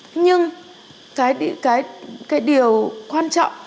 không nhưng cái điều quan trọng